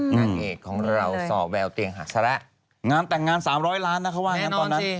นางเอกของเราสอบแววเตียงหักสระงานแต่งงาน๓๐๐ล้านนะครับว่าแน่นอนสิ